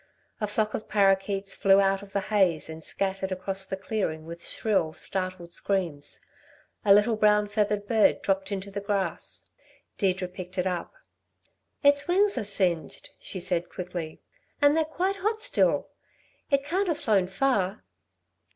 A flock of parroquets flew out of the haze and scattered across the clearing with shrill, startled screams. A little brown feathered bird dropped into the grass. Deirdre picked it up. "Its wings are singed," she said quickly, "and they're quite hot still! It can't have flown far."